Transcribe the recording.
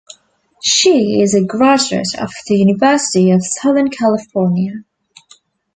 She is a graduate of the University of Southern California.